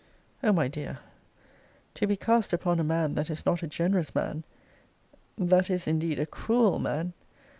O my dear! to be cast upon a man that is not a generous man; that is indeed a cruel man!